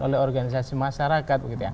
oleh organisasi masyarakat